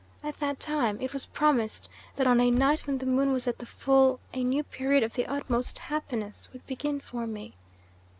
at that time it was promised that on a night when the moon was at the full a new period of the utmost happiness would begin for me.